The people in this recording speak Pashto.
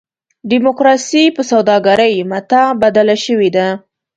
ډیموکراسي په سوداګرۍ متاع بدله شوې ده.